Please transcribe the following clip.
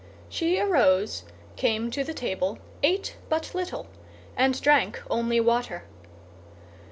She arose, came to the table, ate but little, and drank only water.